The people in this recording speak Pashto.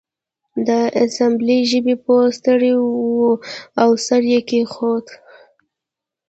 د اسامبلۍ ژبې پوه ستړی و او سر یې کیښود